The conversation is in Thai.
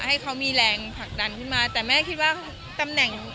ให้เขามีแรงผลักดันขึ้นมาแต่แม่คิดว่าตำแหน่ง